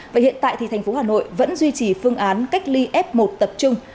và hiện tại thì thành phố hà nội vẫn duy trì phương án cách ly f một tập trung